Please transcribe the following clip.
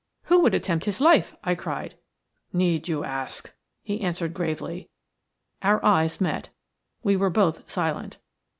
"Who would attempt his life?" I cried. "Need you ask?" he answered, gravely. Our eyes met. We were both silent.